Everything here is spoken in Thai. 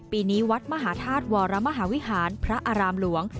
ปีนี้วัดมหาธาตุวรมหาวิหารพระอารามหลวง